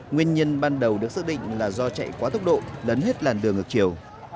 nguyên nhân ban đầu được xác định là do chạy quá tốc độ lấn hết làn đường ngược chiều